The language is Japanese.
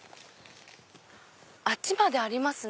あっちまでありますね。